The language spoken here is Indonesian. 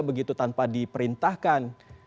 begitu tanpa diperintahkan